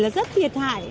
là rất thiệt hại